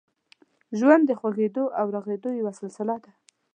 ژوند د خوږېدو او رغېدو یوه سلسله ده.